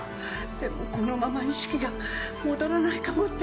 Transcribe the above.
でもこのまま意識が戻らないかもって。